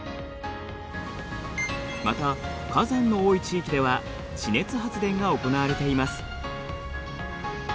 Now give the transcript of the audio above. また火山の多い地域では地熱発電が行われています。